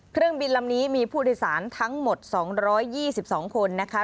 เครื่องบินลำนี้มีผู้โดยสารทั้งหมด๒๒คนนะคะ